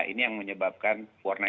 ini yang menyebabkan warna